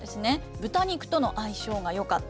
豚肉との相性がよかった。